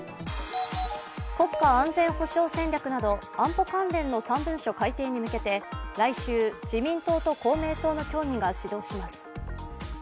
国家安全保障戦略など安保関連の３文書改定に向けて来週、自民党と公明党の協議が始動します。